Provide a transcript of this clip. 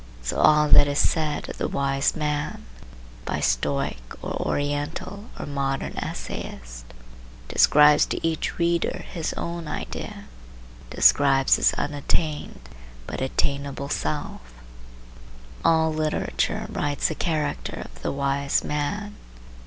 So all that is said of the wise man by Stoic or Oriental or modern essayist, describes to each reader his own idea, describes his unattained but attainable self. All literature writes the character of the wise man.